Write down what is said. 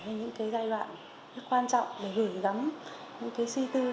những giai đoạn rất quan trọng để gửi gắm những suy tư